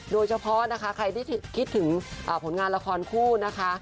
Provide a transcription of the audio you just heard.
โดยเฉพาะนะคะใครที่คิดถึงผลงานละครคู่นะคะ